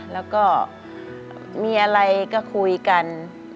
แล้วก็มีอะไรก็คุยกัน